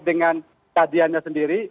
dengan kehadirannya sendiri